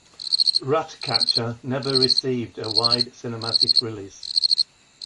"Ratcatcher" never received a wide cinematic release.